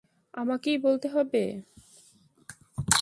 আমাকেই বলতে হবে।